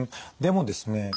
でもですね